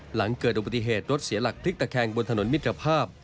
หลังเกิดอุบัติเหตุรถเสียหลักพลิกตะแคงบนถนนมิตรภาพ